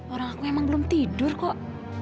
orang aku emang belum tidur kok